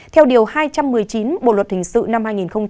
theo điều hai trăm một mươi chín bộ luật hình sự năm hai nghìn một mươi năm